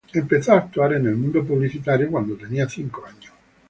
Empezó a actuar en el mundo publicitario cuando tenía cinco años.